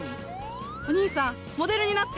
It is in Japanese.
おにいさんモデルになって。